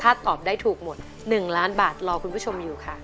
ถ้าตอบได้ถูกหมด๑ล้านบาทรอคุณผู้ชมอยู่ค่ะ